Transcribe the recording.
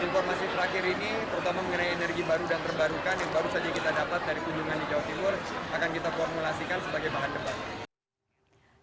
informasi terakhir ini terutama mengenai energi baru dan terbarukan yang baru saja kita dapat dari kunjungan di jawa timur akan kita formulasikan sebagai bahan debat